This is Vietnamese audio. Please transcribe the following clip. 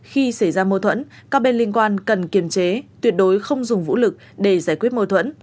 khi xảy ra mâu thuẫn các bên liên quan cần kiềm chế tuyệt đối không dùng vũ lực để giải quyết mâu thuẫn